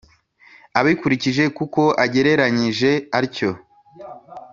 abikurije kuko agereranyije atyo.